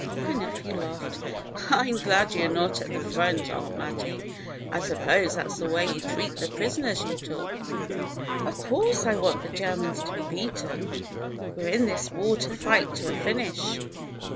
Her nephew laughed. " I am glad you're not at the front. Aunt Mattie. I suppose that 's the way you 'd treat the prisoners you took." " Of course I want the Germans to be beaten. We 're in this war to fight to a finish.